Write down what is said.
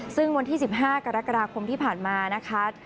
ซึ่งวันที่๑๕กรกฎาคมที่ผ่านมานะคะ